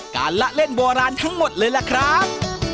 ละเล่นโบราณทั้งหมดเลยล่ะครับ